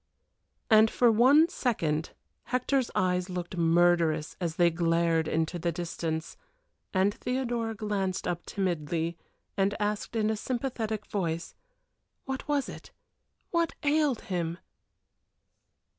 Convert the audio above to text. And for one second Hector's eyes looked murderous as they glared into the distance and Theodora glanced up timidly, and asked, in a sympathetic voice: What was it? What ailed him?